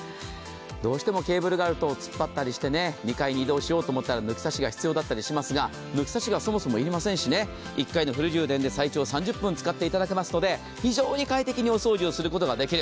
どうしてもケーブルがあると突っ張ったりして２階に移動したりすると抜き差しが必要だったりしますが、そもそも抜き差しが要りませんし、１回のフル充電で３０分使っていただけますので、非常に快適にお掃除をすることができる。